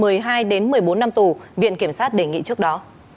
hình phạt này thấp hơn mức một mươi hai một mươi bốn năm tù viện kiểm sát đề nghị trước đó